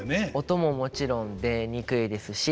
音ももちろん出にくいですし